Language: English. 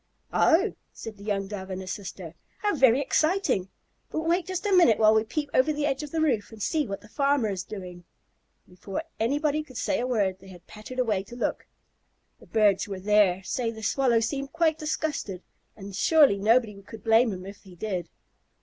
"Oh!" said the young Dove and his sister. "How very exciting. But wait just a minute while we peep over the edge of the roof and see what the farmer is doing." And before anybody could say a word they had pattered away to look. The birds who were there say that the Swallow seemed quite disgusted, and surely nobody could blame him if he did.